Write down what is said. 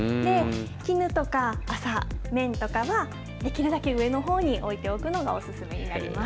絹とか麻、綿とかは、できるだけ上のほうに置いておくのがお勧めになります。